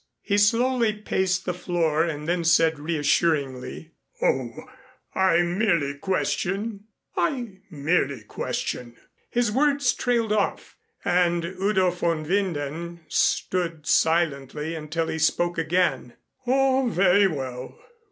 He slowly paced the floor and then said reassuringly, "Oh, I merely question I merely question " His words trailed off and Udo von Winden stood silently until he spoke again. "Oh, very well.